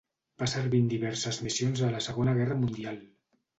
Va servir en diverses missions a la Segona Guerra Mundial.